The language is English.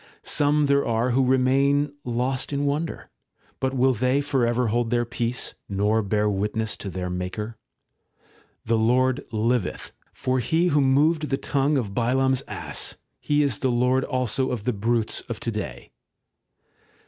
Some there are who remain lost in wonder ; but will they for ever hold their peace, nor bear witness to their Maker ? The Lord liveth, for He who moved the tongue of Balaam's ass, He is the Lord also of the brutes of to day.